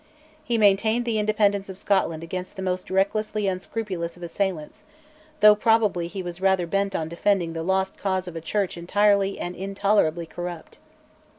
He maintained the independence of Scotland against the most recklessly unscrupulous of assailants, though probably he was rather bent on defending the lost cause of a Church entirely and intolerably corrupt.